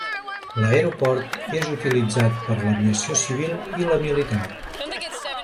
L'aeroport és utilitzat per l'aviació civil i la militar.